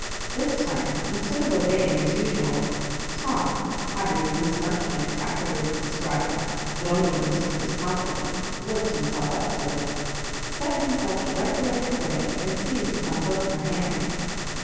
This time, instead of obeying as usual, Tom — having, as Miss Marjoribanks aflerwards de scribed (but only in the strictest confidence), "worked himself up to it" — set himself directly ui her way, and seized upon both her hands.